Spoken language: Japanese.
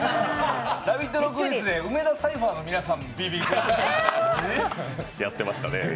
「ラヴィット！」のクイズで梅田サイファーの皆さんもやってました。